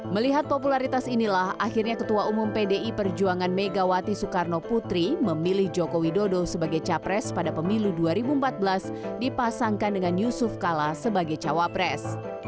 melihat popularitas inilah akhirnya ketua umum pdi perjuangan megawati soekarno putri memilih joko widodo sebagai capres pada pemilu dua ribu empat belas dipasangkan dengan yusuf kala sebagai cawapres